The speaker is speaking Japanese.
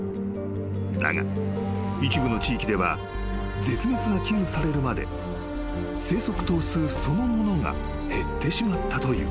［だが一部の地域では絶滅が危惧されるまで生息頭数そのものが減ってしまったという］